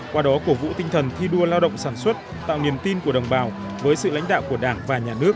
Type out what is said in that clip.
qua đó cổ vũ tinh thần thi đua lao động sản xuất tạo niềm tin của đồng bào với sự lãnh đạo của đảng và nhà nước